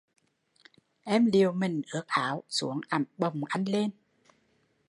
Em liều minh ướt áo, xuống ẳm bồng anh lên